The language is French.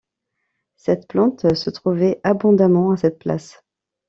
Cette plante se trouvait abondamment à cette place.